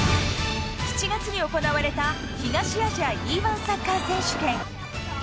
７月に行われた東アジアＥ‐１サッカー選手権。